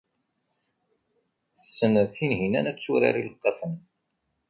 Tessen Tinhinan ad turar ileqqafen.